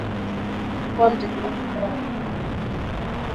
kuwa mtegemezi dawa ya kulevya wakati